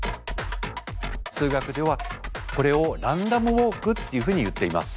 数学ではこれをランダムウォークっていうふうにいっています。